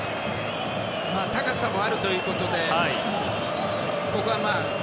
高さもあるということで。